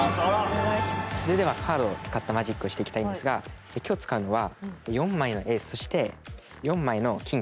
それではカードを使ったマジックをしていきたいんですが今日使うのは４枚のエースそして４枚のキング。